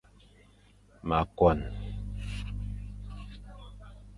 Ma koan.